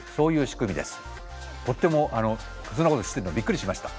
とてもそんなこと知ってるのびっくりしました。